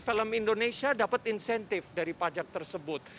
film indonesia dapat insentif dari pajak tersebut